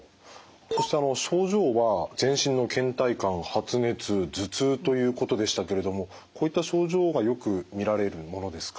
そして症状は全身のけん怠感発熱頭痛ということでしたけれどもこういった症状がよく見られるものですか？